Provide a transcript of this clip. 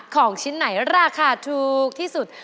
ของชิ้นไหนราคาถูกที่สุด